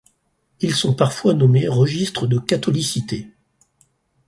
Ils sont parfois nommés registres de catholicité.